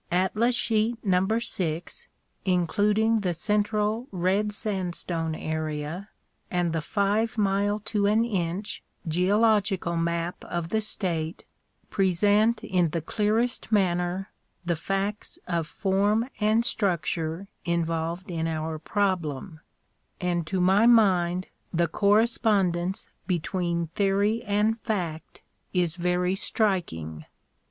Atlas sheet number six, including the Central red sandstone area, and the five mile to an inch geological map of the state pre sent in the clearest manner the facts of form and structure in volved in our problem ; and to my mind, the correspondence be tween theory and fact is very striking.